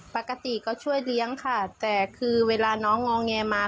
ปกติก็ช่วยเลี้ยงค่ะแต่คือเวลาน้องงอแงมา